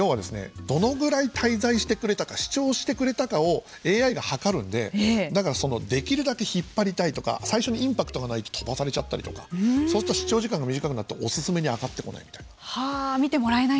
要はどのぐらい滞在してくれたか視聴してくれたかをＡＩがはかるんでだから、できるだけ引っ張りたいとか最初のインパクトないと飛ばされちゃったりとかそういった視聴時間が短くなるとお勧めに上がってこない。